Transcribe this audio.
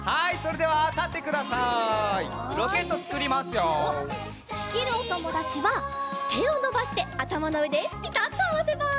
できるおともだちはてをのばしてあたまのうえでピタッとあわせます！